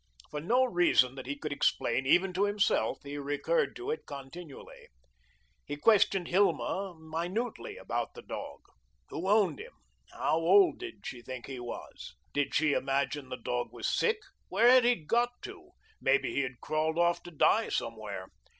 For no reason that he could explain even to himself, he recurred to it continually. He questioned Hilma minutely all about the dog. Who owned him? How old did she think he was? Did she imagine the dog was sick? Where had he got to? Maybe he had crawled off to die somewhere.